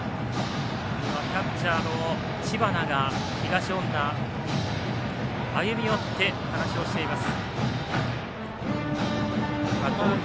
キャッチャーの知花が東恩納に歩み寄って話をしています。